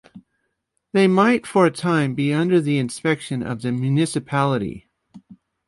They might for a time be under the inspection of the municipality.